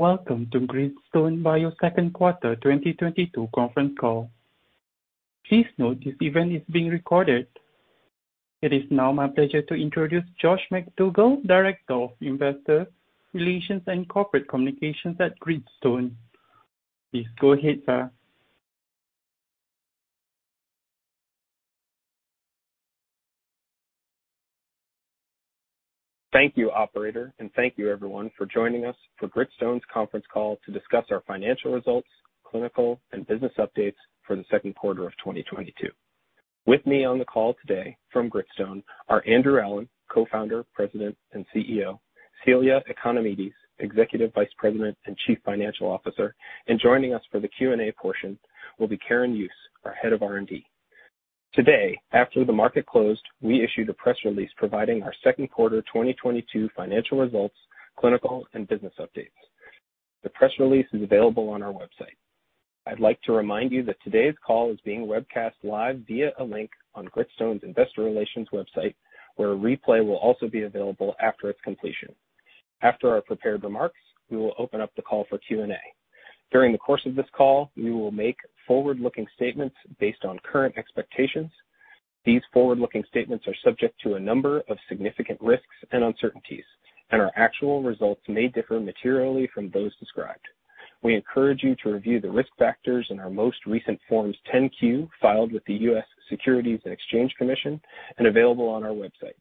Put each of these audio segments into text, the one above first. Welcome to Gritstone bio Q2 2022 Conference Call. Please note this event is being recorded. It is now my pleasure to introduce George MacDougall, Director of Investor Relations and Corporate Communications at Gritstone bio. Please go ahead, sir. Thank you, operator, and thank you, everyone, for joining us for Gritstone's conference call to discuss our financial results, clinical, and business updates for Q2 of 2022. With me on the call today from Gritstone are Andrew Allen, Co-founder, President, and CEO; Celia Economides, Executive Vice President and Chief Financial Officer. Joining us for the Q&A portion will be Karin Jooss, our Head of R&D. Today, after the market closed, we issued a press release providing our Q2 2022 financial results, clinical, and business updates. The press release is available on our website. I'd like to remind you that today's call is being webcast live via a link on Gritstone's investor relations website, where a replay will also be available after its completion. After our prepared remarks, we will open up the call for Q&A. During the course of this call, we will make forward-looking statements based on current expectations. These forward-looking statements are subject to a number of significant risks and uncertainties, and our actual results may differ materially from those described. We encourage you to review the risk factors in our most recent Form 10-Q, filed with the U.S. Securities and Exchange Commission and available on our website.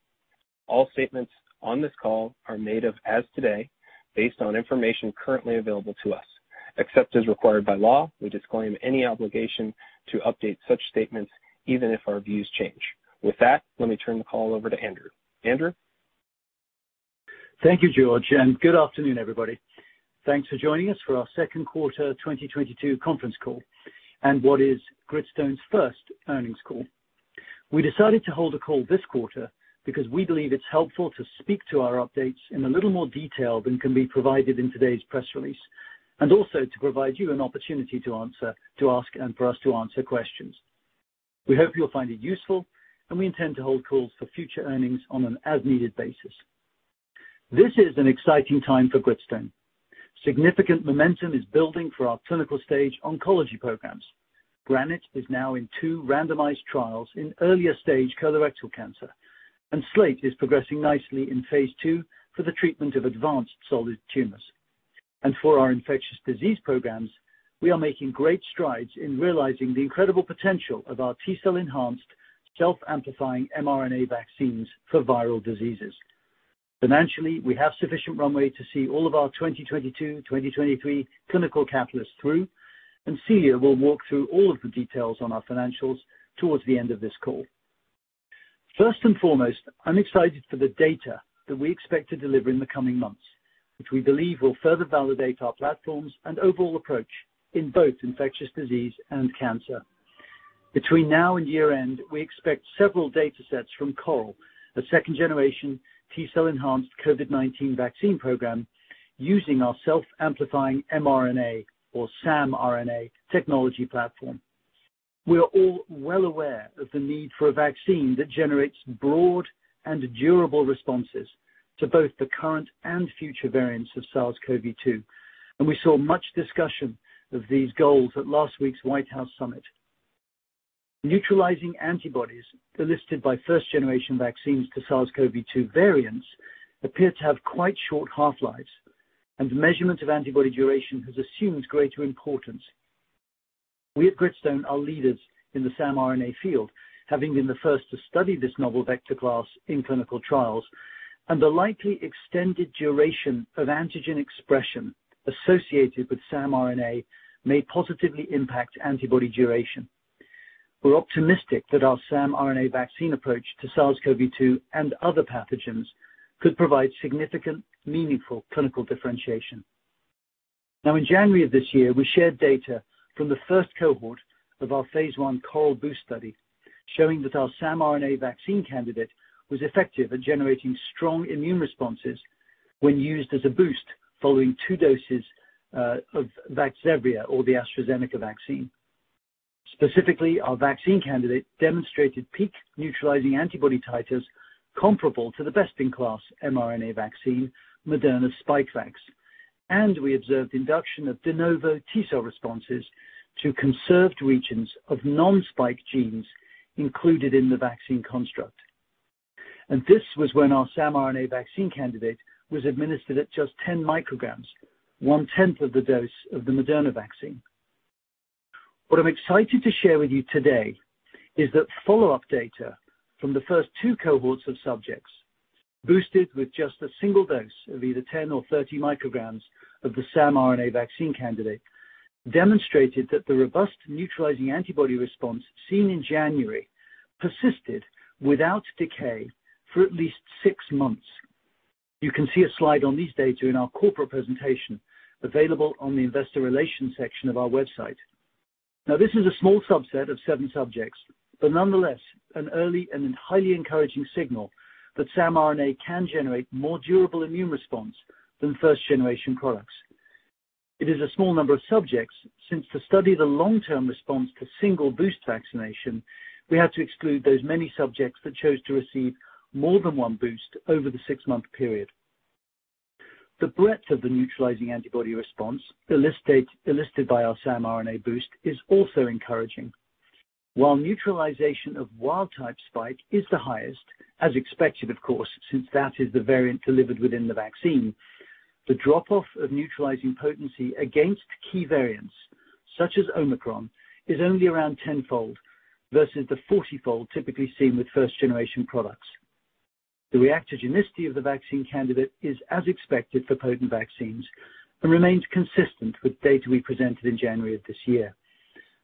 All statements on this call are made as of today based on information currently available to us. Except as required by law, we disclaim any obligation to update such statements, even if our views change. With that, let me turn the call over to Andrew. Andrew. Thank you, George, and good afternoon, everybody. Thanks for joining us for our Q2 2022 Conference Call, which is Gritstone's first earnings call. We decided to hold a call this quarter because we believe it's helpful to speak to our updates in a little more detail than can be provided in today's press release, and also to provide you an opportunity to ask and for us to answer questions. We hope you'll find it useful, and we intend to hold calls for future earnings on an as-needed basis. This is an exciting time for Gritstone. Significant momentum is building for our clinical stage oncology programs. Granite is now in two randomized trials in earlier stage colorectal cancer, and Slate is progressing nicely in phase II for the treatment of advanced solid tumors. For our infectious disease programs, we are making great strides in realizing the incredible potential of our T-cell enhanced self-amplifying mRNA vaccines for viral diseases. Financially, we have sufficient runway to see all of our 2022/2023 clinical catalysts through, and Celia will walk through all of the details on our financials towards the end of this call. First and foremost, I'm excited for the data that we expect to deliver in the coming months, which we believe will further validate our platforms and overall approach in both infectious disease and cancer. Between now and year-end, we expect several data sets from CORAL, a second-generation T-cell enhanced COVID-19 vaccine program using our self-amplifying mRNA or samRNA technology platform. We are all well aware of the need for a vaccine that generates broad and durable responses to both the current and future variants of SARS-CoV-2, and we saw much discussion of these goals at last week's White House summit. Neutralizing antibodies elicited by first generation vaccines to SARS-CoV-2 variants appear to have quite short half-lives, and measurement of antibody duration has assumed greater importance. We at Gritstone are leaders in the samRNA field, having been the first to study this novel vector class in clinical trials, and the likely extended duration of antigen expression associated with samRNA may positively impact antibody duration. We're optimistic that our samRNA vaccine approach to SARS-CoV-2 and other pathogens could provide significant, meaningful clinical differentiation. Now in January of this year, we shared data from the first cohort of our phase I CORAL-BOOST study, showing that our samRNA vaccine candidate was effective at generating strong immune responses when used as a boost following two doses of Vaxzevria or the AstraZeneca vaccine. Specifically, our vaccine candidate demonstrated peak neutralizing antibody titers comparable to the best-in-class mRNA vaccine, Moderna Spikevax. We observed induction of de novo T-cell responses to conserved regions of non-spike genes included in the vaccine construct. This was when our samRNA vaccine candidate was administered at just 10 micrograms, one-tenth of the dose of the Moderna vaccine. What I'm excited to share with you today is that follow-up data from the first two cohorts of subjects boosted with just a single dose of either 10 or 30 micrograms of the samRNA vaccine candidate demonstrated that the robust neutralizing antibody response seen in January persisted without decay for at least six months. You can see a slide on these data in our corporate presentation available on the investor relations section of our website. Now, this is a small subset of seven subjects, but nonetheless an early and highly encouraging signal that samRNA can generate more durable immune response than first generation products. It is a small number of subjects since to study the long-term response to single boost vaccination, we had to exclude those many subjects that chose to receive more than one boost over the six-month period. The breadth of the neutralizing antibody response elicited by our samRNA boost is also encouraging. While neutralization of wild type spike is the highest, as expected, of course, since that is the variant delivered within the vaccine, the drop-off of neutralizing potency against key variants such as Omicron is only around 10-fold versus the 40-fold typically seen with first generation products. The reactogenicity of the vaccine candidate is as expected for potent vaccines and remains consistent with data we presented in January of this year.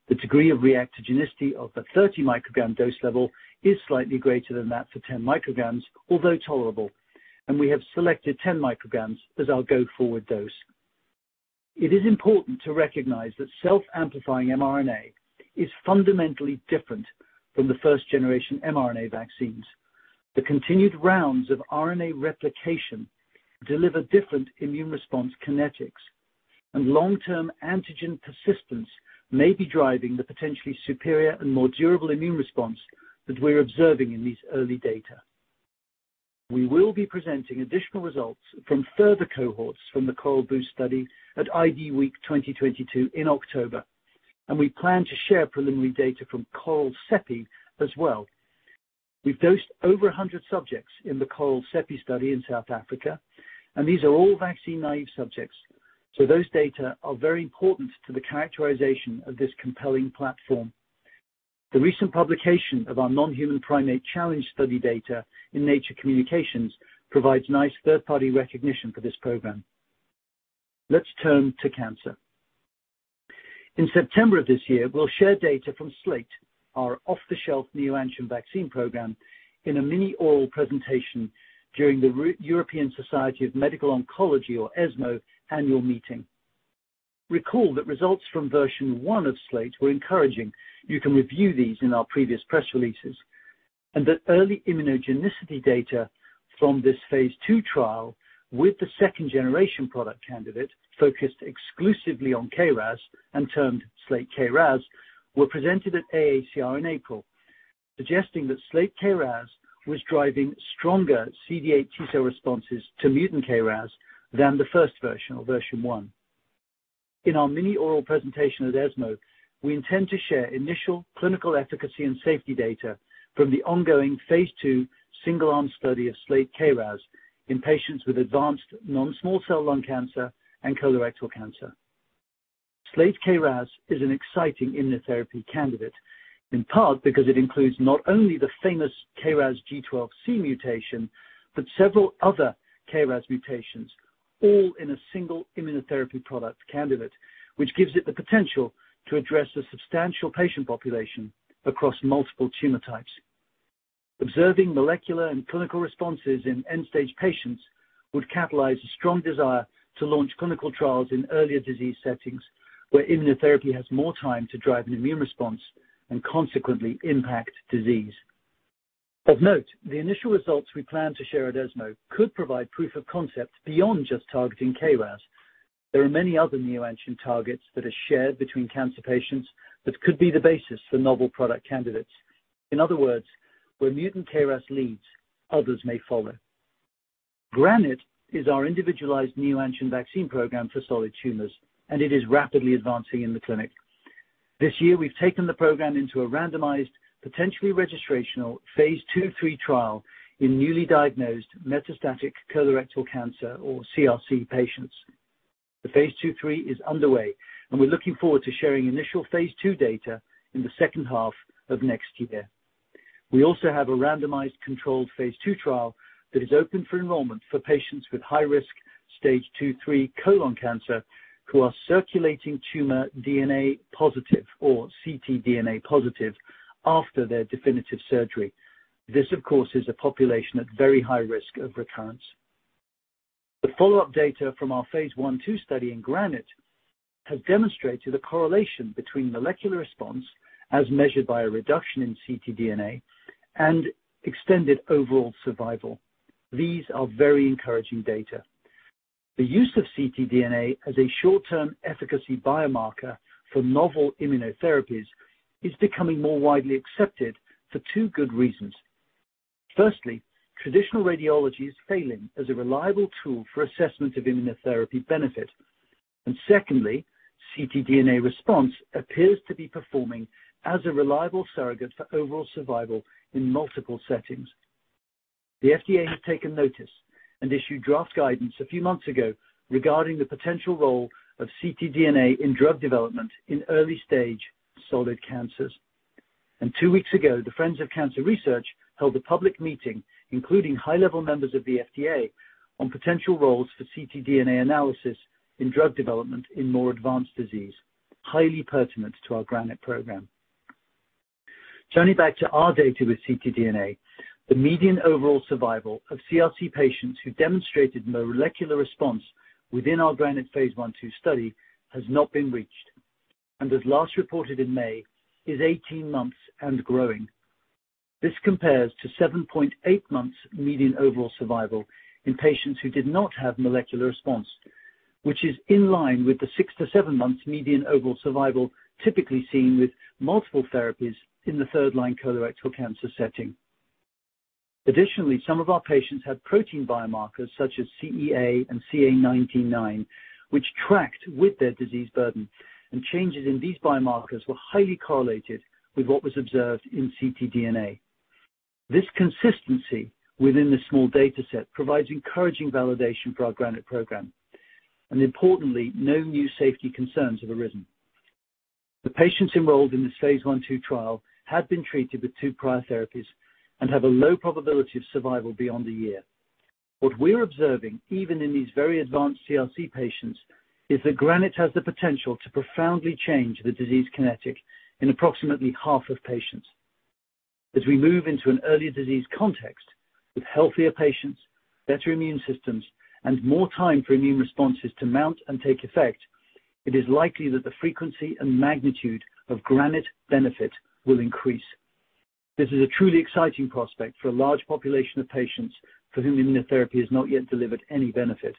The degree of reactogenicity of the 30 microgram dose level is slightly greater than that for 10 micrograms, although tolerable, and we have selected 10 micrograms as our go-forward dose. It is important to recognize that self-amplifying mRNA is fundamentally different from the first generation mRNA vaccines. The continued rounds of RNA replication deliver different immune response kinetics, and long-term antigen persistence may be driving the potentially superior and more durable immune response that we're observing in these early data. We will be presenting additional results from further cohorts from the CORAL-BOOST study at IDWeek 2022 in October, and we plan to share preliminary data from CORAL-CEPI as well. We've dosed over 100 subjects in the CORAL-CEPI study in South Africa, and these are all vaccine-naive subjects, so those data are very important to the characterization of this compelling platform. The recent publication of our non-human primate challenge study data in Nature Communications provides nice third-party recognition for this program. Let's turn to cancer. In September of this year, we'll share data from Slate, our off-the-shelf neoantigen vaccine program, in a mini oral presentation during the European Society for Medical Oncology or ESMO annual meeting. Recall that results from version one of Slate were encouraging. You can review these in our previous press releases. That early immunogenicity data from this phase II trial with the second generation product candidate focused exclusively on KRAS and termed Slate KRAS, were presented at AACR in April, suggesting that Slate KRAS was driving stronger CD8+ T cell responses to mutant KRAS than the first version or version one. In our mini oral presentation at ESMO, we intend to share initial clinical efficacy and safety data from the ongoing phase II single arm study of Slate KRAS in patients with advanced non-small cell lung cancer and colorectal cancer. SLATE-KRAS is an exciting immunotherapy candidate, in part because it includes not only the famous KRAS G12C mutation, but several other KRAS mutations, all in a single immunotherapy product candidate, which gives it the potential to address a substantial patient population across multiple tumor types. Observing molecular and clinical responses in end-stage patients would catalyze a strong desire to launch clinical trials in earlier disease settings where immunotherapy has more time to drive an immune response and consequently impact disease. Of note, the initial results we plan to share at ESMO could provide proof of concept beyond just targeting KRAS. There are many other neoantigen targets that are shared between cancer patients that could be the basis for novel product candidates. In other words, where mutant KRAS leads, others may follow. Granite is our individualized neoantigen vaccine program for solid tumors, and it is rapidly advancing in the clinic. This year we've taken the program into a randomized, potentially registrational phase II/III trial in newly diagnosed metastatic colorectal cancer or CRC patients. The phase II/III is underway, and we're looking forward to sharing initial phase II data in the second half of next year. We also have a randomized controlled phase II trial that is open for enrollment for patients with high-risk stage 2/3 colon cancer who are circulating tumor DNA positive or ctDNA positive after their definitive surgery. This, of course, is a population at very high risk of recurrence. The follow-up data phase I/II study in Granite has demonstrated a correlation between molecular response as measured by a reduction in ctDNA and extended overall survival. These are very encouraging data. The use of ctDNA as a short-term efficacy biomarker for novel immunotherapies is becoming more widely accepted for two good reasons. Firstly, traditional radiology is failing as a reliable tool for assessment of immunotherapy benefit. Secondly, ctDNA response appears to be performing as a reliable surrogate for overall survival in multiple settings. The FDA has taken notice and issued draft guidance a few months ago regarding the potential role of ctDNA in drug development in early stage solid cancers. Two weeks ago, the Friends of Cancer Research held a public meeting, including high-level members of the FDA, on potential roles for ctDNA analysis in drug development in more advanced disease, highly pertinent to our Granite program. Turning back to our data with ctDNA, the median overall survival of CRC patients who demonstrated molecular response within phase I/II study has not been reached, and as last reported in May, is 18 months and growing. This compares to 7.8 months median overall survival in patients who did not have molecular response, which is in line with the six to seven months median overall survival typically seen with multiple therapies in the third-line colorectal cancer setting. Additionally, some of our patients had protein biomarkers such as CEA and CA 19-9, which tracked with their disease burden, and changes in these biomarkers were highly correlated with what was observed in ctDNA. This consistency within the small data set provides encouraging validation for our Granite program, and importantly, no new safety concerns have arisen. The patients enrolled phase I/II trial had been treated with two prior therapies and have a low probability of survival beyond a year. What we're observing, even in these very advanced CRC patients, is that Granite has the potential to profoundly change the disease kinetics in approximately half of patients. As we move into an earlier disease context with healthier patients, better immune systems, and more time for immune responses to mount and take effect, it is likely that the frequency and magnitude of Granite benefit will increase. This is a truly exciting prospect for a large population of patients for whom immunotherapy has not yet delivered any benefit.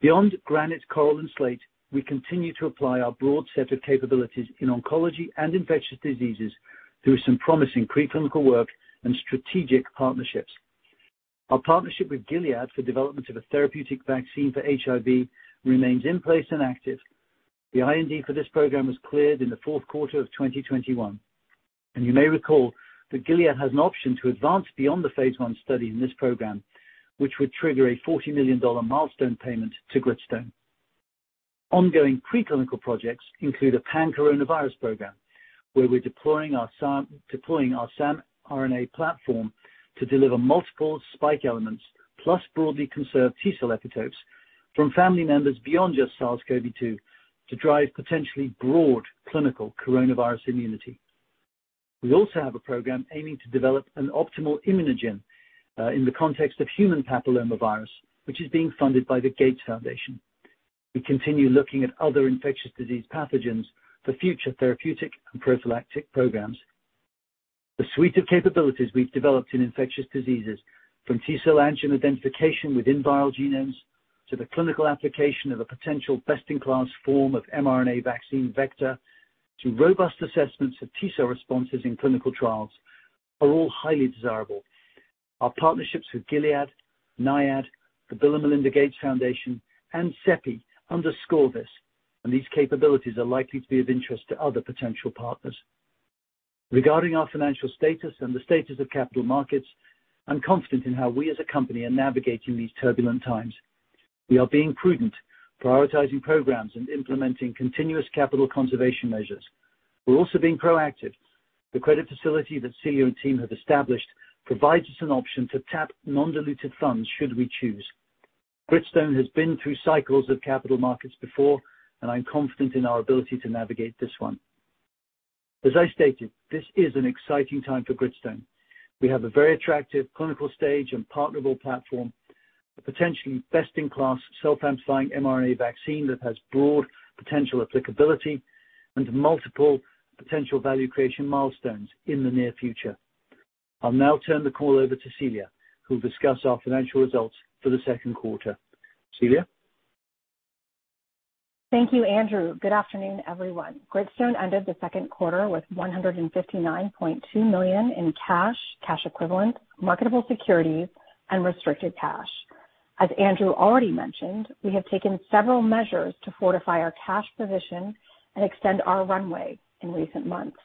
Beyond Granite, Coral, and Slate, we continue to apply our broad set of capabilities in oncology and infectious diseases through some promising preclinical work and strategic partnerships. Our partnership with Gilead for development of a therapeutic vaccine for HIV remains in place and active. The IND for this program was cleared in Q4 of 2021. You may recall that Gilead has an option to advance beyond the phase I study in this program, which would trigger a $40 million milestone payment to Gritstone. Ongoing preclinical projects include a pan-coronavirus program, where we're deploying our samRNA platform to deliver multiple spike elements plus broadly conserved T-cell epitopes from family members beyond just SARS-CoV-2 to drive potentially broad clinical coronavirus immunity. We also have a program aiming to develop an optimal immunogen in the context of human papillomavirus, which is being funded by the Gates Foundation. We continue looking at other infectious disease pathogens for future therapeutic and prophylactic programs. The suite of capabilities we've developed in infectious diseases, from T-cell antigen identification within viral genomes to the clinical application of a potential best-in-class form of mRNA vaccine vector to robust assessments of T-cell responses in clinical trials, are all highly desirable. Our partnerships with Gilead, NIAID, the Bill & Melinda Gates Foundation, and CEPI underscore this, and these capabilities are likely to be of interest to other potential partners. Regarding our financial status and the status of capital markets, I'm confident in how we as a company are navigating these turbulent times. We are being prudent, prioritizing programs, and implementing continuous capital conservation measures. We're also being proactive. The credit facility that Celia and team have established provides us an option to tap non-diluted funds should we choose. Gritstone has been through cycles of capital markets before, and I'm confident in our ability to navigate this one. As I stated, this is an exciting time for Gritstone. We have a very attractive clinical stage and partnerable platform, a potentially best-in-class self-amplifying mRNA vaccine that has broad potential applicability, and multiple potential value creation milestones in the near future. I'll now turn the call over to Celia, who will discuss our financial results for Q2. Celia? Thank you, Andrew. Good afternoon, everyone. Gritstone ended Q2 with $159.2 million in cash equivalents, marketable securities, and restricted cash. As Andrew already mentioned, we have taken several measures to fortify our cash position and extend our runway in recent months.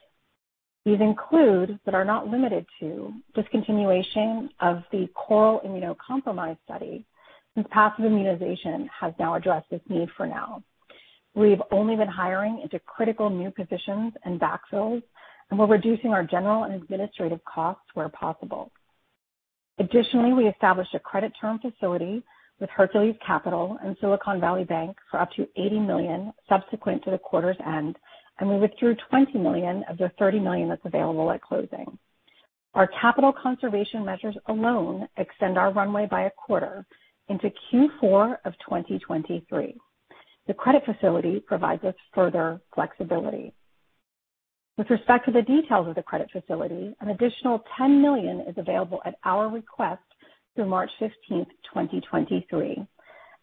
These include, but are not limited to, discontinuation of the CORAL immunocompromised study, since passive immunization has now addressed this need for now. We've only been hiring into critical new positions and backfills, and we're reducing our general and administrative costs where possible. Additionally, we established a credit facility with Hercules Capital and Silicon Valley Bank for up to $80 million subsequent to the quarter's end, and we withdrew $20 million of the $30 million that's available at closing. Our capital conservation measures alone extend our runway by a quarter into Q4 of 2023. The credit facility provides us further flexibility. With respect to the details of the credit facility, an additional $10 million is available at our request through March 15th, 2023,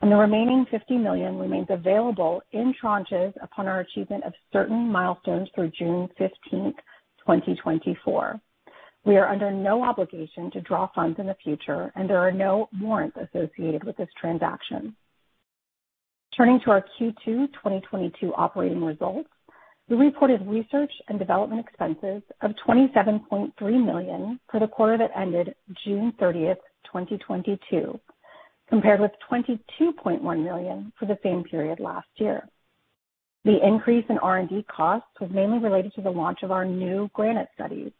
and the remaining $50 million remains available in tranches upon our achievement of certain milestones through June 15th, 2024. We are under no obligation to draw funds in the future, and there are no warrants associated with this transaction. Turning to our Q2 2022 operating results, we reported research and development expenses of $27.3 million for the quarter that ended June 30, 2022, compared with $22.1 million for the same period last year. The increase in R&D costs was mainly related to the launch of our new Granite studies,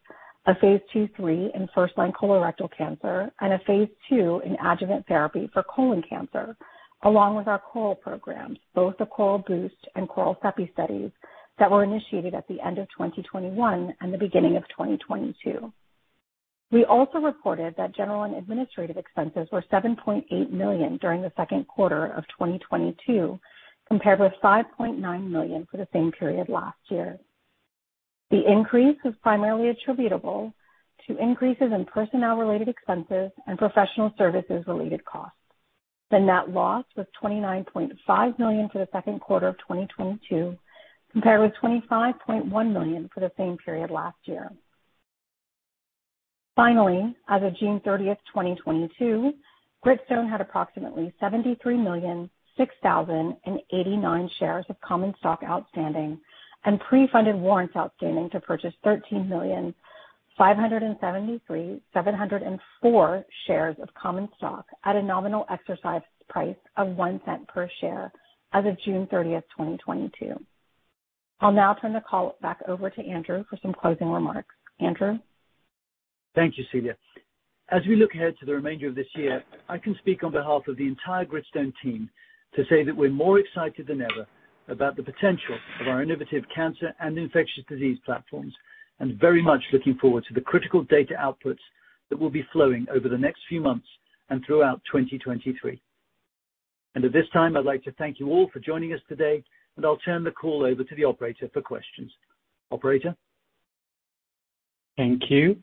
phase II/III in first-line colorectal cancer, and a phase II in adjuvant therapy for colon cancer, along with our CORAL programs, both the CORAL-BOOST and CORAL-CEPI studies that were initiated at the end of 2021 and the beginning of 2022. We also reported that general and administrative expenses were $7.8 million during Q2 of 2022, compared with $5.9 million for the same period last year. The net loss was $29.5 million for Q2 of 2022, compared with $25.1 million for the same period last year. Finally, as of June 30, 2022, Gritstone had approximately 73,006,089 shares of common stock outstanding and pre-funded warrants outstanding to purchase 13,573,704 shares of common stock at a nominal exercise price of $0.01 per share as of June 30, 2022. I'll now turn the call back over to Andrew for some closing remarks. Andrew? Thank you, Celia. As we look ahead to the remainder of this year, I can speak on behalf of the entire Gritstone team to say that we're more excited than ever about the potential of our innovative cancer and infectious disease platforms, and very much looking forward to the critical data outputs that will be flowing over the next few months and throughout 2023. At this time, I'd like to thank you all for joining us today, and I'll turn the call over to the operator for questions. Operator? Thank you.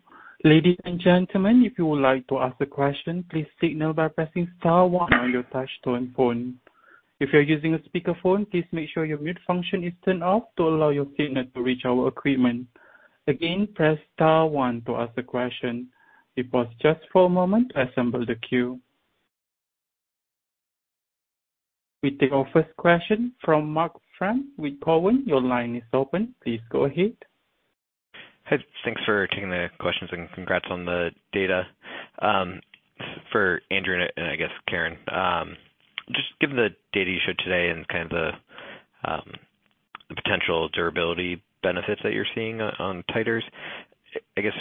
Ladies and gentlemen, if you would like to ask a question, please signal by pressing star one on your touch-tone phone. If you're using a speaker phone, please make sure your mute function is turned off to allow your signal to reach our equipment. Again, press star one to ask a question. We pause just for a moment to assemble the queue. We take our first question from Mark Breidenbach with Cowen. Your line is open. Please go ahead. Hey, thanks for taking the questions and congrats on the data. For Andrew and I guess Karin, just given the data you showed today and kind of the potential durability benefits that you're seeing on titers, I guess,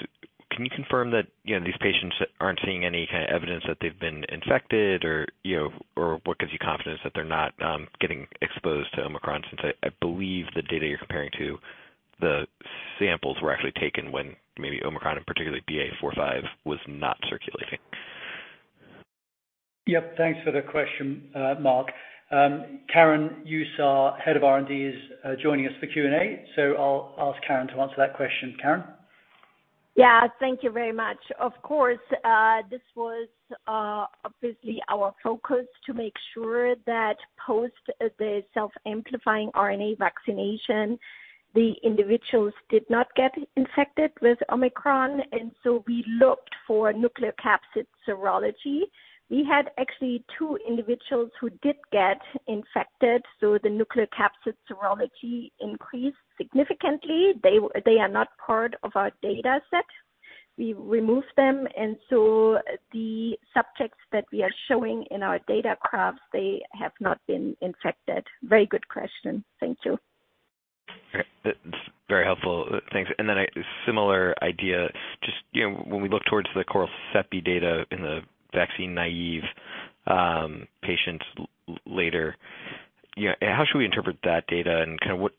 can you confirm that, you know, these patients aren't seeing any kind of evidence that they've been infected or, you know, or what gives you confidence that they're not getting exposed to Omicron, since I believe the data you're comparing to the samples were actually taken when maybe Omicron and particularly BA.4/5 was not circulating. Yep. Thanks for the question, Mark. Karin, our head of R&D is joining us for Q&A, so I'll ask Karin to answer that question. Karin? Yeah. Thank you very much. Of course, this was obviously our focus to make sure that post the self-amplifying RNA vaccination, the individuals did not get infected with Omicron, and so we looked for nucleocapsid serology. We had actually two individuals who did get infected, so the nucleocapsid serology increased significantly. They are not part of our data set. We removed them, and so the subjects that we are showing in our data graphs, they have not been infected. Very good question. Thank you. All right. That's very helpful. Thanks. Then a similar idea, just, you know, when we look towards the CORAL-CEPI data in the vaccine-naive patients later, you know, how should we interpret that data and kind of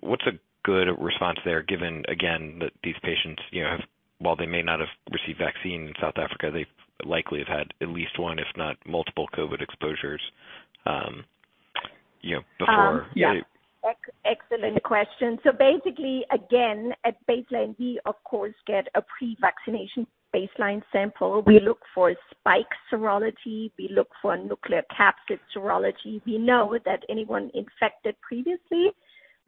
what's a good response there, given again, that these patients, you know, have, while they may not have received vaccine in South Africa, they likely have had at least one, if not multiple COVID exposures, you know, before? Yeah. Excellent question. Basically, again, at baseline, we of course get a pre-vaccination baseline sample. We look for spike serology, we look for nucleocapsid serology. We know that anyone infected previously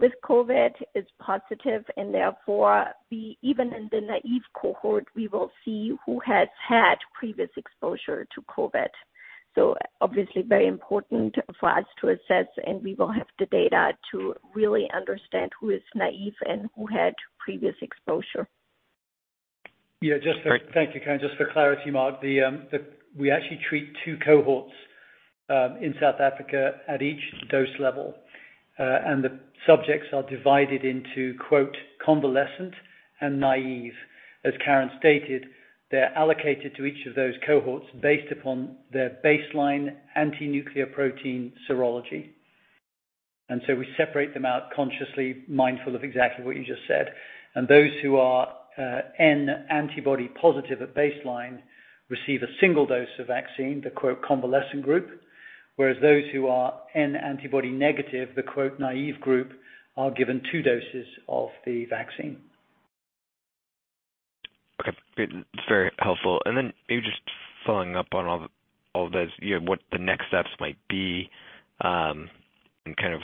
with COVID is positive, and therefore, even in the naive cohort, we will see who has had previous exposure to COVID. Obviously very important for us to assess, and we will have the data to really understand who is naive and who had previous exposure. Yeah. Great. Thank you, Karin. Just for clarity, Mark, the we actually treat two cohorts in South Africa at each dose level, and the subjects are divided into quote, "convalescent and naive." As Karin stated, they're allocated to each of those cohorts based upon their baseline anti-nuclear protein serology. We separate them out consciously mindful of exactly what you just said. Those who are N antibody positive at baseline receive a single dose of vaccine, the quote, "convalescent group," whereas those who are N antibody negative, the quote, "naive group," are given two doses of the vaccine. Okay. It's very helpful. Maybe just following up on all those, you know, what the next steps might be, and kind of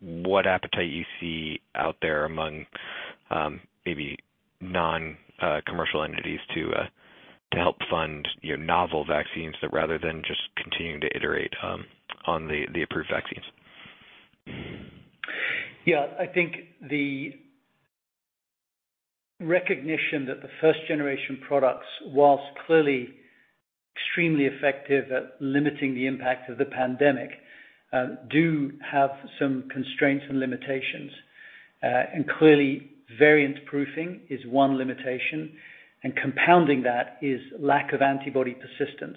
what appetite you see out there among maybe non-commercial entities to help fund your novel vaccines rather than just continuing to iterate on the approved vaccines? Yeah. I think the recognition that the first generation products, while clearly extremely effective at limiting the impact of the pandemic, do have some constraints and limitations. Clearly variant proofing is one limitation, and compounding that is lack of antibody persistence.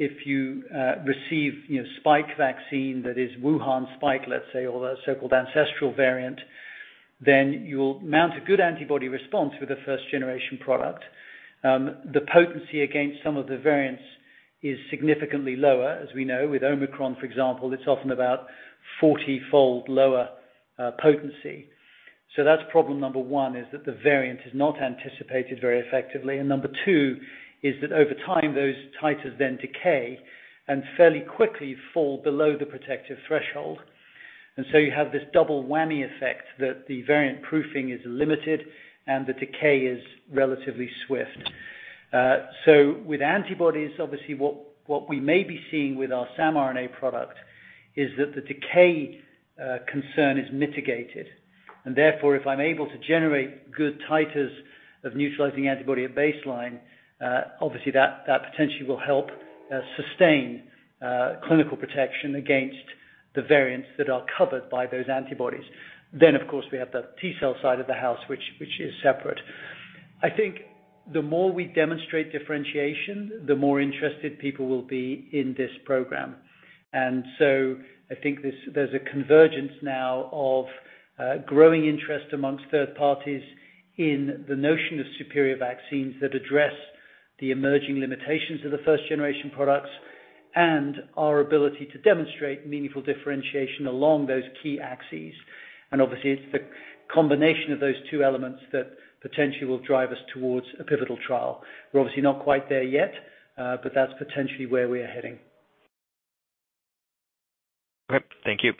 If you receive, you know, spike vaccine that is Wuhan spike, let's say, or the so-called ancestral variant, then you'll mount a good antibody response with a first generation product. The potency against some of the variants is significantly lower, as we know. With Omicron, for example, it's often about 40-fold lower potency. That's problem number one, is that the variant is not anticipated very effectively. Number two is that over time, those titers then decay and fairly quickly fall below the protective threshold. You have this double whammy effect that the variant proofing is limited and the decay is relatively swift. With antibodies, obviously, what we may be seeing with our samRNA product is that the decay concern is mitigated. Therefore, if I'm able to generate good titers of neutralizing antibody at baseline, obviously that potentially will help sustain clinical protection against the variants that are covered by those antibodies. Of course, we have the T cell side of the house, which is separate. I think the more we demonstrate differentiation, the more interested people will be in this program. I think there's a convergence now of growing interest amongst third parties in the notion of superior vaccines that address the emerging limitations of the first generation products and our ability to demonstrate meaningful differentiation along those key axes. Obviously, it's the combination of those two elements that potentially will drive us towards a pivotal trial. We're obviously not quite there yet, but that's potentially where we are heading. Okay. Thank you.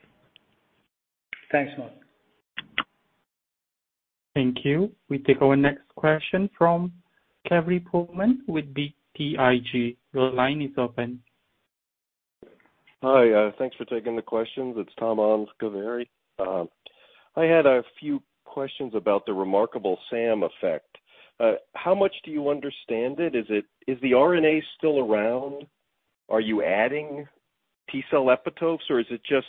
Thanks, Mark. Thank you. We take our next question from Kaveri Pohlman with BTIG. Your line is open. Hi. Thanks for taking the questions. It's Tom on with Kaveri. I had a few questions about the remarkable SAM effect. How much do you understand it? Is the RNA still around? Are you adding T-cell epitopes, or is it just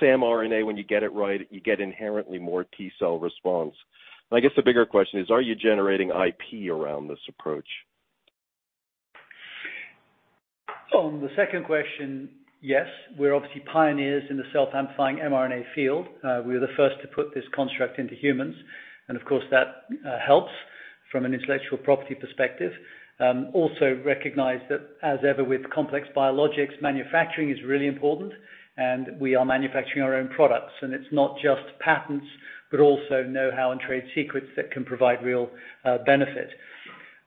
samRNA when you get it right, you get inherently more T-cell response? I guess the bigger question is, are you generating IP around this approach? On the second question, yes. We're obviously pioneers in the self-amplifying mRNA field. We were the first to put this construct into humans, and of course, that helps from an intellectual property perspective. Also recognize that as ever with complex biologics, manufacturing is really important, and we are manufacturing our own products. It's not just patents, but also know-how and trade secrets that can provide real benefit.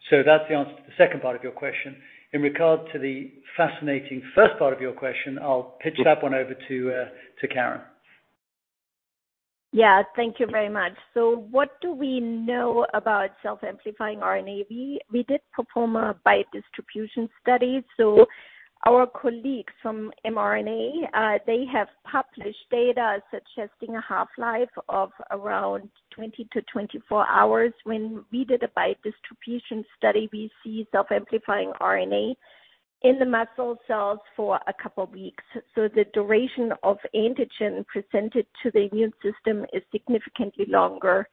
So that's the answer to the second part of your question. In regard to the fascinating first part of your question, I'll pitch that one over to Karin. Yeah. Thank you very much. What do we know about self-amplifying RNA? We did perform a biodistribution study. Our colleagues from mRNA, they have published data suggesting a half-life of around 20-24 hours. When we did a biodistribution study, we see self-amplifying RNA in the muscle cells for a couple weeks. The duration of antigen presented to the immune system is significantly longer.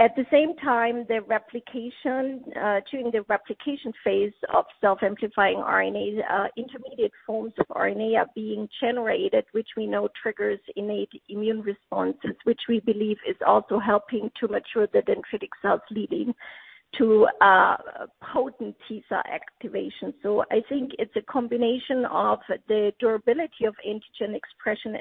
At the same time, the replication, during the replication phase of self-amplifying RNAs, intermediate forms of RNA are being generated, which we know triggers innate immune responses, which we believe is also helping to mature the dendritic cells leading to potent T cell activation. I think it's a combination of the durability of antigen expression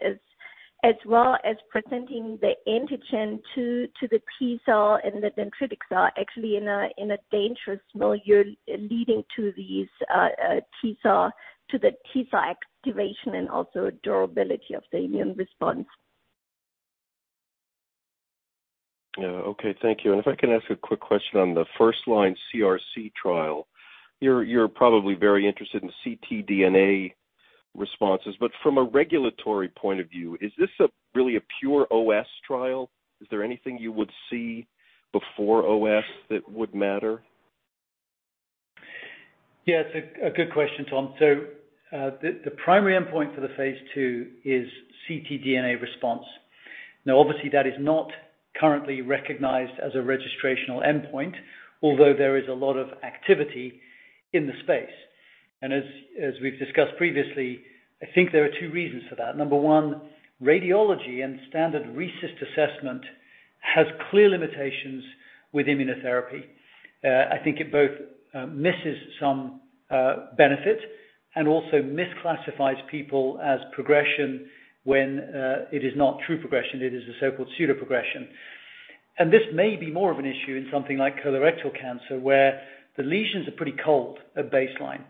as well as presenting the antigen to the T cell and the dendritic cell actually in a dangerous milieu leading to these T cell activation and also durability of the immune response. Yeah. Okay. Thank you. If I can ask a quick question on the first-line CRC trial. You're probably very interested in ctDNA responses, but from a regulatory point of view, is this really a pure OS trial? Is there anything you would see before OS that would matter? Yeah, it's a good question, Tom. The primary endpoint for the phase II is ctDNA response. Now, obviously, that is not currently recognized as a registrational endpoint, although there is a lot of activity in the space. As we've discussed previously, I think there are two reasons for that. Number one, radiology and standard RECIST assessment has clear limitations with immunotherapy. I think it both misses some benefit and also misclassifies people as progression when it is not true progression. It is a so-called pseudoprogression. This may be more of an issue in something like colorectal cancer, where the lesions are pretty cold at baseline.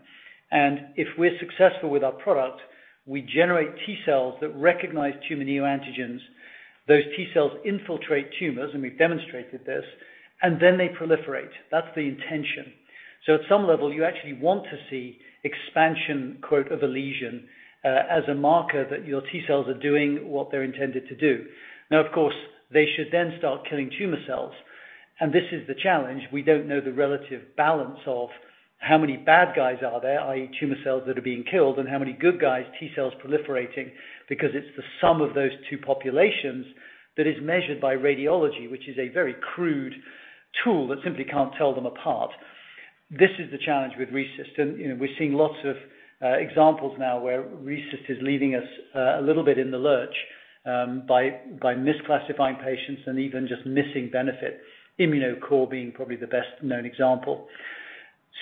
If we're successful with our product, we generate T cells that recognize tumor neoantigens. Those T cells infiltrate tumors, and we've demonstrated this, and then they proliferate. That's the intention. At some level, you actually want to see "expansion" of a lesion as a marker that your T cells are doing what they're intended to do. Now, of course, they should then start killing tumor cells. This is the challenge. We don't know the relative balance of how many bad guys are there, i.e. tumor cells that are being killed and how many good guys, T cells proliferating, because it's the sum of those two populations that is measured by radiology, which is a very crude tool that simply can't tell them apart. This is the challenge with RECIST. You know, we're seeing lots of examples now where RECIST is leading us a little bit in the lurch by misclassifying patients and even just missing benefit. Immunocore being probably the best-known example.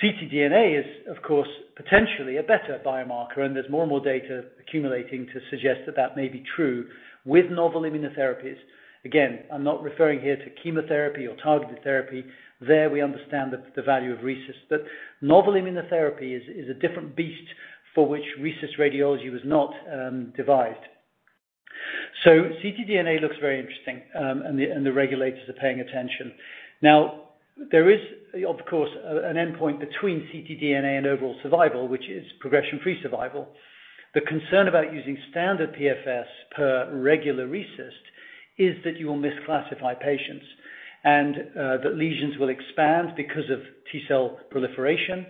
ctDNA is, of course, potentially a better biomarker, and there's more and more data accumulating to suggest that that may be true with novel immunotherapies. Again, I'm not referring here to chemotherapy or targeted therapy. There we understand the value of RECIST. Novel immunotherapy is a different beast for which RECIST radiology was not devised. ctDNA looks very interesting, and the regulators are paying attention. Now, there is of course, an endpoint between ctDNA and overall survival, which is progression-free survival. The concern about using standard PFS per regular RECIST is that you will misclassify patients, and that lesions will expand because of T-cell proliferation,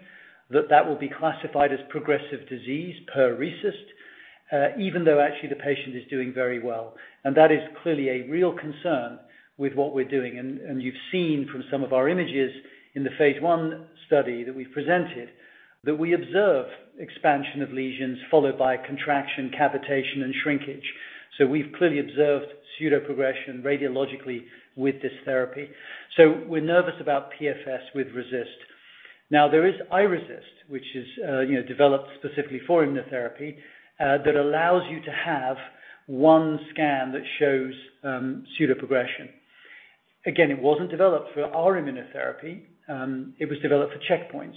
that will be classified as progressive disease per RECIST, even though actually the patient is doing very well. That is clearly a real concern with what we're doing. You've seen from some of our images in the phase one study that we've presented, that we observe expansion of lesions followed by contraction, cavitation, and shrinkage. We've clearly observed pseudoprogression radiologically with this therapy. We're nervous about PFS with RECIST. Now, there is iRECIST, which is developed specifically for immunotherapy, that allows you to have one scan that shows pseudoprogression. Again, it wasn't developed for our immunotherapy, it was developed for checkpoints.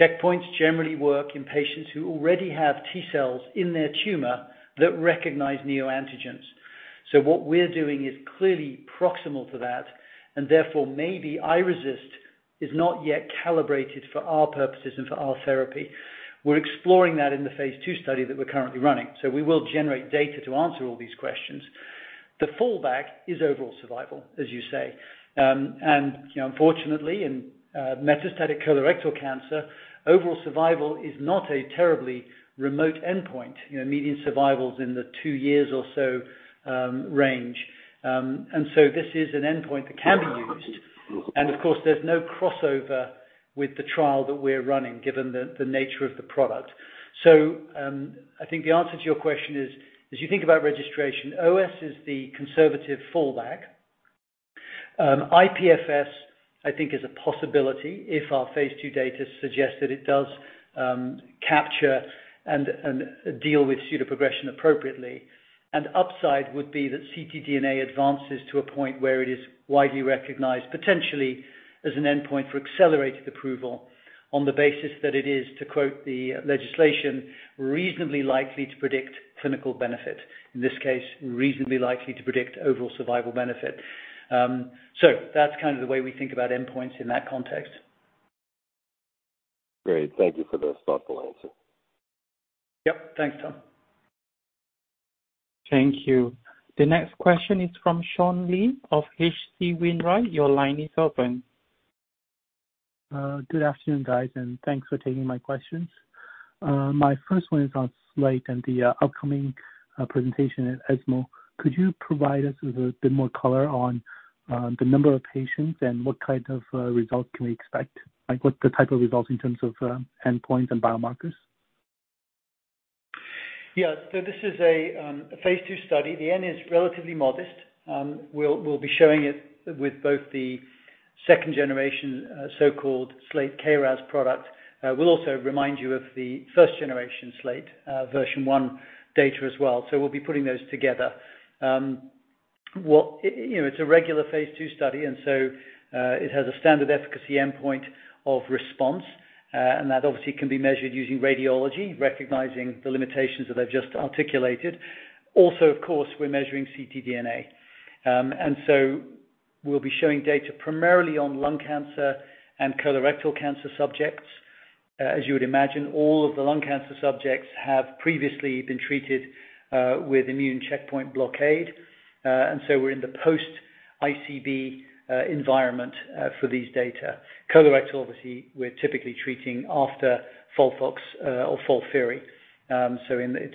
Checkpoints generally work in patients who already have T-cells in their tumor that recognize neoantigens. What we're doing is clearly proximal to that, and therefore, maybe iRECIST is not yet calibrated for our purposes and for our therapy. We're exploring that in the phase II study that we're currently running, so we will generate data to answer all these questions. The fallback is overall survival, as you say. You know, unfortunately, in metastatic colorectal cancer, overall survival is not a terribly remote endpoint. You know, median survival's in the two years or so range. This is an endpoint that can be used and of course, there's no crossover with the trial that we're running, given the nature of the product. I think the answer to your question is, as you think about registration, OS is the conservative fallback. iPFS, I think is a possibility if our phase II data suggests that it does capture and deal with pseudoprogression appropriately. Upside would be that ctDNA advances to a point where it is widely recognized, potentially as an endpoint for accelerated approval on the basis that it is, to quote the legislation, "reasonably likely to predict clinical benefit," in this case, reasonably likely to predict overall survival benefit. So that's kind of the way we think about endpoints in that context. Great. Thank you for the thoughtful answer. Yep. Thanks, Tom. Thank you. The next question is from Sean Lee of H.C. Wainwright & Co. Your line is open. Good afternoon, guys, and thanks for taking my questions. My first one is on SLATE and the upcoming presentation at ESMO. Could you provide us with a bit more color on the number of patients and what kind of results can we expect? Like, what the type of results in terms of endpoints and biomarkers? Yeah. This is a phase II study. The N is relatively modest. We'll be showing it with both the second generation so-called SLATE KRAS product. We'll also remind you of the first generation SLATE version one data as well. We'll be putting those together. You know, it's a regular phase II study, and it has a standard efficacy endpoint of response. That obviously can be measured using radiology, recognizing the limitations that I've just articulated. Also, of course, we're measuring ctDNA. We'll be showing data primarily on lung cancer and colorectal cancer subjects. As you would imagine, all of the lung cancer subjects have previously been treated with immune checkpoint blockade. We're in the post-ICB environment for these data. Colorectal, obviously, we're typically treating after FOLFOX or FOLFIRI.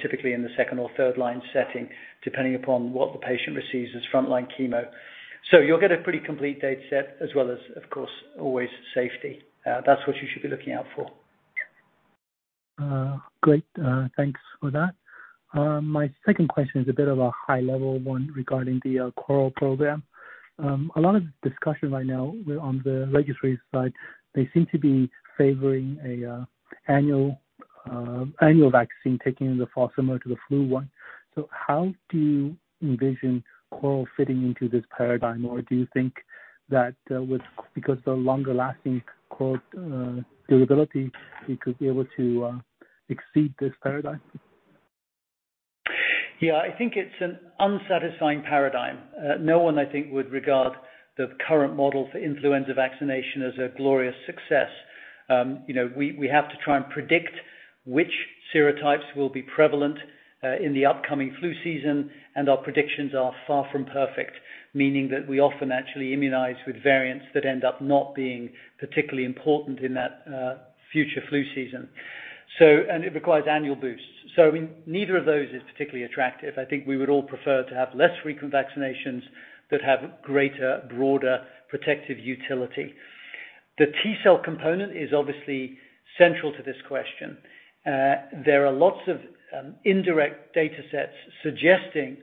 Typically in the second or third line setting, depending upon what the patient receives as frontline chemo. You'll get a pretty complete dataset as well as, of course, always safety. That's what you should be looking out for. Great. Thanks for that. My second question is a bit of a high-level one regarding the CORAL program. A lot of discussion right now on the regulatory side, they seem to be favoring an annual vaccine taken in the fall, similar to the flu one. How do you envision CORAL fitting into this paradigm? Or do you think that, because the longer-lasting CORAL durability, we could be able to exceed this paradigm? Yeah. I think it's an unsatisfying paradigm. No one, I think, would regard the current model for influenza vaccination as a glorious success. You know, we have to try and predict which serotypes will be prevalent in the upcoming flu season, and our predictions are far from perfect, meaning that we often actually immunize with variants that end up not being particularly important in that future flu season. It requires annual boosts. I mean, neither of those is particularly attractive. I think we would all prefer to have less frequent vaccinations that have greater, broader protective utility. The T-cell component is obviously central to this question. There are lots of indirect data sets suggesting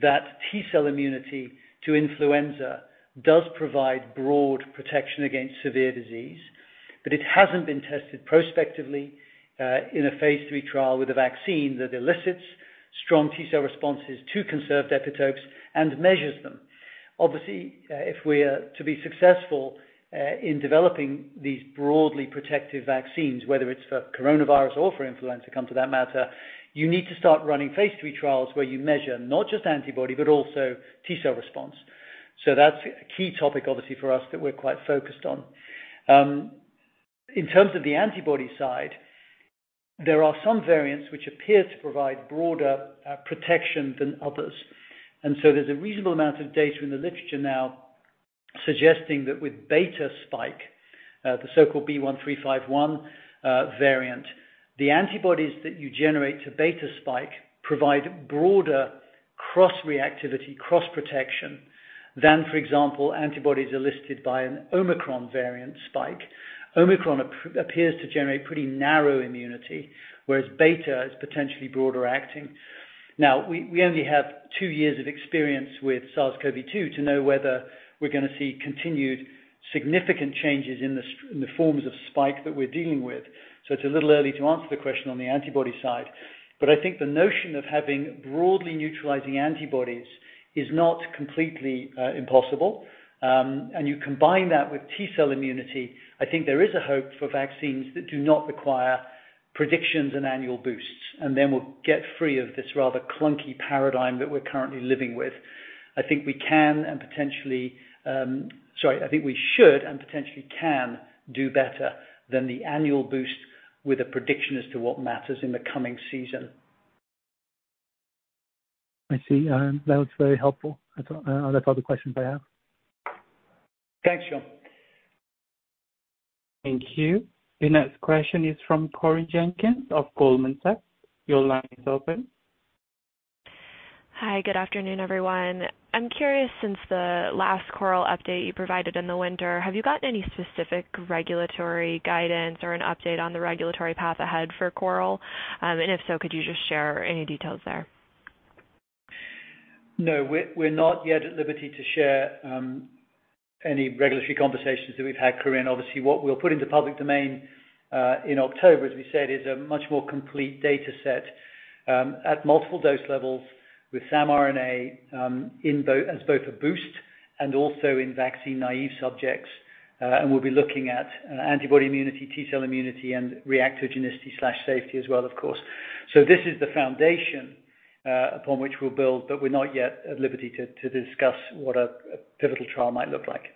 that T-cell immunity to influenza does provide broad protection against severe disease, but it hasn't been tested prospectively in a phase III trial with a vaccine that elicits strong T-cell responses to conserved epitopes and measures them. Obviously, if we are to be successful in developing these broadly protective vaccines, whether it's for coronavirus or for influenza, come to that matter, you need to start running phase III trials where you measure not just antibody, but also T-cell response. That's a key topic obviously for us that we're quite focused on. In terms of the antibody side, there are some variants which appear to provide broader protection than others. There's a reasonable amount of data in the literature now suggesting that with beta spike, the so-called B.1.351 variant, the antibodies that you generate to beta spike provide broader cross-reactivity, cross-protection than, for example, antibodies elicited by an Omicron variant spike. Omicron appears to generate pretty narrow immunity, whereas beta is potentially broader acting. Now, we only have two years of experience with SARS-CoV-2 to know whether we're gonna see continued significant changes in the forms of spike that we're dealing with. It's a little early to answer the question on the antibody side. I think the notion of having broadly neutralizing antibodies is not completely impossible. You combine that with T-cell immunity. I think there is a hope for vaccines that do not require predictions and annual boosts, and then we'll get free of this rather clunky paradigm that we're currently living with. I think we should and potentially can do better than the annual boost with a prediction as to what matters in the coming season. I see. That was very helpful. Are there further questions I have? Thanks, Sean. Thank you. The next question is from Corinne Jenkins of Goldman Sachs. Your line is open. Hi. Good afternoon, everyone. I'm curious, since the last CORAL update you provided in the winter, have you gotten any specific regulatory guidance or an update on the regulatory path ahead for CORAL? And if so, could you just share any details there? No, we're not yet at liberty to share any regulatory conversations that we've had, Corinne. Obviously, what we'll put into public domain in October, as we said, is a much more complete data set at multiple dose levels with some RNA in both as both a boost and also in vaccine-naive subjects. We'll be looking at antibody immunity, T-cell immunity, and reactogenicity/safety as well, of course. This is the foundation upon which we'll build, but we're not yet at liberty to discuss what a pivotal trial might look like.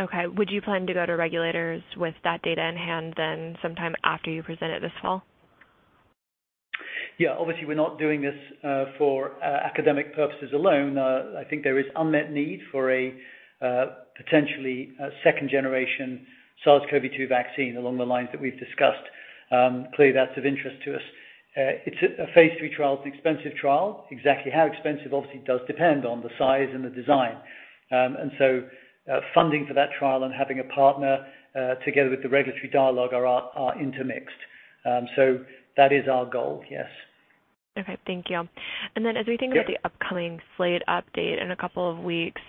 Okay. Would you plan to go to regulators with that data in hand then sometime after you present it this fall? Yeah. Obviously, we're not doing this for academic purposes alone. I think there is unmet need for a potentially second generation SARS-CoV-2 vaccine along the lines that we've discussed. Clearly, that's of interest to us. It's a phase three trial, an expensive trial. Exactly how expensive obviously does depend on the size and the design. Funding for that trial and having a partner together with the regulatory dialogue are intermixed. That is our goal, yes. Okay. Thank you. Yeah. As we think about the upcoming SLATE update in a couple of weeks,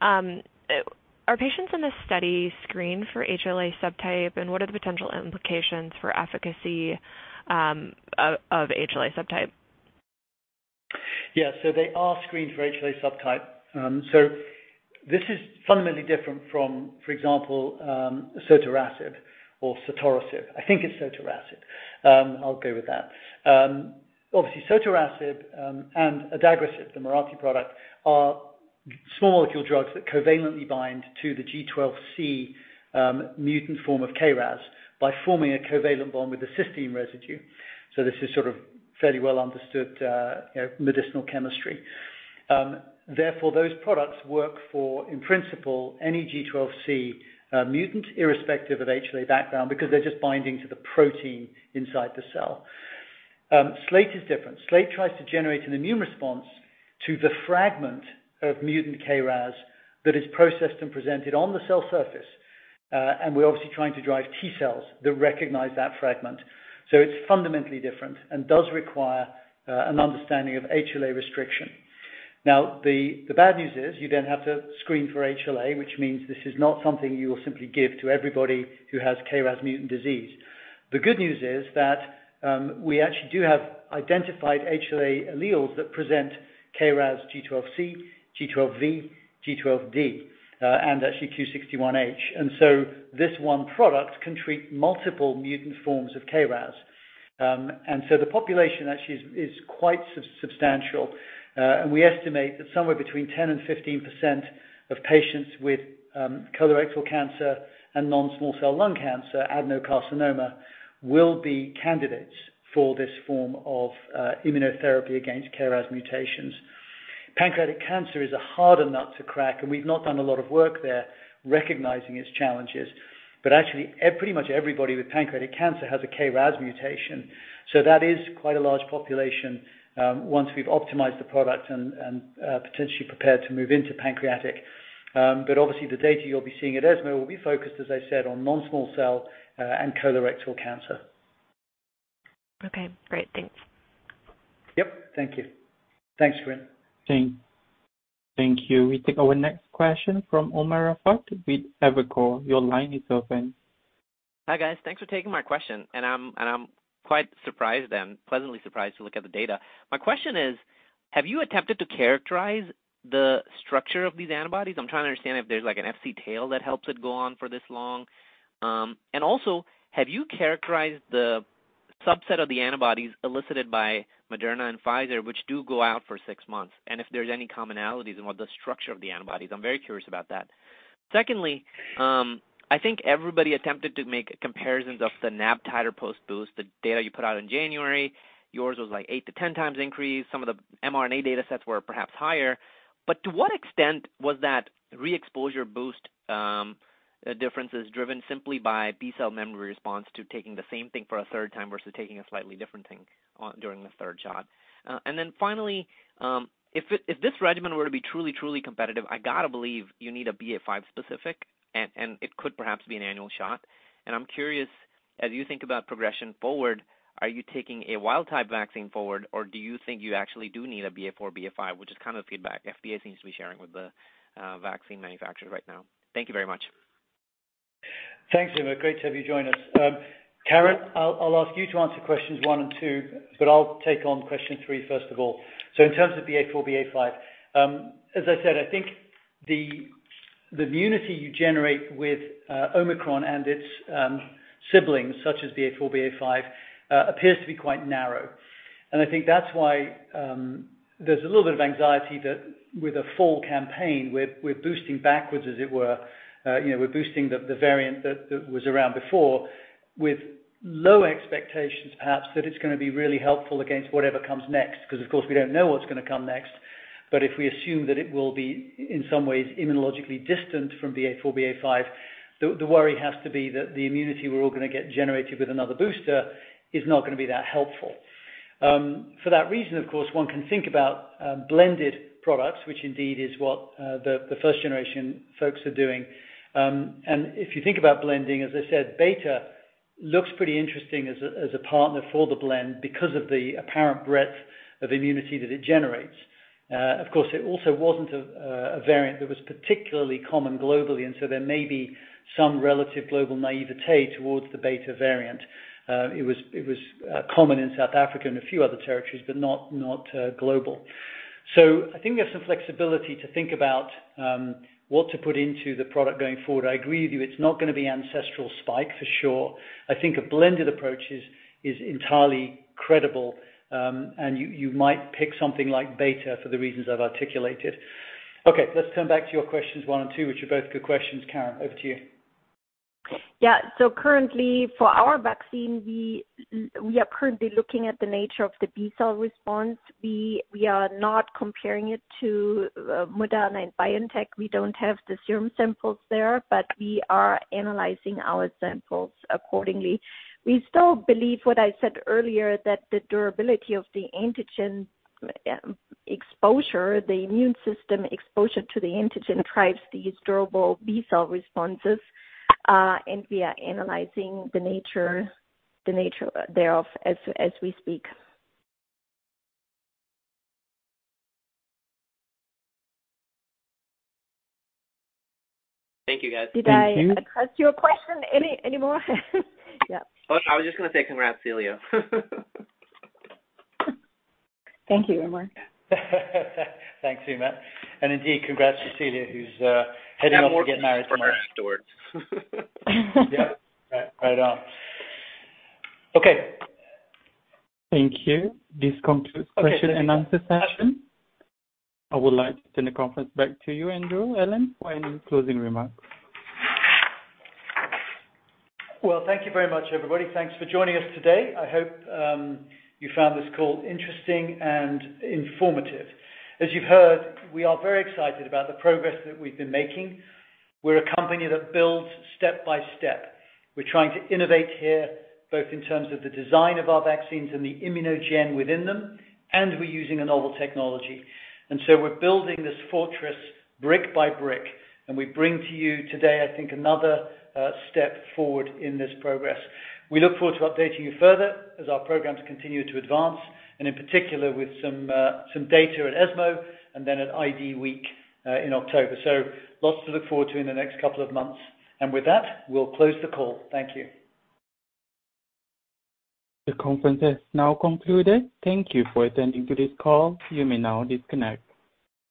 are patients in this study screened for HLA subtype, and what are the potential implications for efficacy of HLA subtype? Yeah. They are screened for HLA subtype. This is fundamentally different from, for example, sotorasib. I think it's sotorasib. I'll go with that. Obviously, sotorasib and adagrasib, the Mirati product, are small molecule drugs that covalently bind to the G12C mutant form of KRAS by forming a covalent bond with a cysteine residue. This is sort of fairly well understood, you know, medicinal chemistry. Therefore, those products work for, in principle, any G12C mutant irrespective of HLA background because they're just binding to the protein inside the cell. SLATE is different. SLATE tries to generate an immune response to the fragment of mutant KRAS that is processed and presented on the cell surface. We're obviously trying to drive T-cells that recognize that fragment. It's fundamentally different and does require an understanding of HLA restriction. Now, the bad news is you then have to screen for HLA, which means this is not something you will simply give to everybody who has KRAS mutant disease. The good news is that we actually do have identified HLA alleles that present KRAS G12C, G12V, G12D, and actually Q61H. This one product can treat multiple mutant forms of KRAS. The population actually is quite substantial. We estimate that somewhere between 10%-15% of patients with colorectal cancer and non-small cell lung cancer adenocarcinoma will be candidates for this form of immunotherapy against KRAS mutations. Pancreatic cancer is a harder nut to crack, and we've not done a lot of work there recognizing its challenges. Actually, pretty much everybody with pancreatic cancer has a KRAS mutation, so that is quite a large population once we've optimized the product and potentially prepared to move into pancreatic. Obviously, the data you'll be seeing at ESMO will be focused, as I said, on non-small cell and colorectal cancer. Okay, great. Thanks. Yep. Thank you. Thanks, Corinne. Thank you. We take our next question from Umer Raffat with Evercore. Your line is open. Hi, guys. Thanks for taking my question. I'm quite surprised and pleasantly surprised to look at the data. My question is, have you attempted to characterize the structure of these antibodies? I'm trying to understand if there's like an Fc tail that helps it go on for this long. And also, have you characterized the subset of the antibodies elicited by Moderna and Pfizer, which do go out for six months? And if there's any commonalities in what the structure of the antibodies, I'm very curious about that. Secondly, I think everybody attempted to make comparisons of the NAb titer post-boost, the data you put out in January. Yours was like eight-10 times increase. Some of the mRNA datasets were perhaps higher. To what extent was that re-exposure boost differences driven simply by B cell memory response to taking the same thing for a third time versus taking a slightly different thing on during the third shot? Then finally, if this regimen were to be truly competitive, I gotta believe you need a BA.5 specific, and it could perhaps be an annual shot. I'm curious, as you think about progression forward, are you taking a wild type vaccine forward, or do you think you actually do need a BA.4, BA.5, which is kind of the feedback FDA seems to be sharing with the vaccine manufacturers right now. Thank you very much. Thanks, Umer. Great to have you join us. Karin, I'll ask you to answer questions one and two, but I'll take on question three, first of all. In terms of BA.4, BA.5, as I said, I think the immunity you generate with Omicron and its siblings such as BA.4, BA.5, appears to be quite narrow. I think that's why there's a little bit of anxiety that with a fall campaign, we're boosting backwards as it were. You know, we're boosting the variant that was around before with low expectations, perhaps, that it's gonna be really helpful against whatever comes next. 'Cause of course, we don't know what's gonna come next. If we assume that it will be in some ways immunologically distant from BA.4, BA.5, the worry has to be that the immunity we're all gonna get generated with another booster is not gonna be that helpful. For that reason, of course, one can think about blended products, which indeed is what the first generation folks are doing. If you think about blending, as I said, Beta looks pretty interesting as a partner for the blend because of the apparent breadth of immunity that it generates. Of course, it also wasn't a variant that was particularly common globally, and so there may be some relative global naïveté towards the Beta variant. It was common in South Africa and a few other territories, but not global. I think there's some flexibility to think about what to put into the product going forward. I agree with you. It's not gonna be ancestral spike for sure. I think a blended approach is entirely credible, and you might pick something like Beta for the reasons I've articulated. Okay, let's turn back to your questions one and two, which are both good questions. Karin, over to you. Yeah. Currently for our vaccine, we are currently looking at the nature of the B cell response. We are not comparing it to Moderna and BioNTech. We don't have the serum samples there, but we are analyzing our samples accordingly. We still believe what I said earlier, that the durability of the antigen exposure, the immune system exposure to the antigen drives these durable B cell responses, and we are analyzing the nature thereof as we speak. Thank you, guys. Thank you. Did I cut your question any, anymore? Yeah. Oh, no, I was just gonna say congrats, Celia. Thank you, Umer. Thanks, Umer. Indeed, congrats to Celia, who's heading off to get married tomorrow. Have more cookies for her afterwards. Yeah. Right, right on. Okay. Thank you. This concludes question and answer session. I would like to turn the conference back to you, Andrew Allen, for any closing remarks. Well, thank you very much, everybody. Thanks for joining us today. I hope you found this call interesting and informative. As you've heard, we are very excited about the progress that we've been making. We're a company that builds step by step. We're trying to innovate here, both in terms of the design of our vaccines and the immunogen within them, and we're using a novel technology. We're building this fortress brick by brick, and we bring to you today, I think another step forward in this progress. We look forward to updating you further as our programs continue to advance, and in particular with some data at ESMO and then at IDWeek in October. Lots to look forward to in the next couple of months. With that, we'll close the call. Thank you. The conference is now concluded. Thank you for attending to this call. You may now disconnect.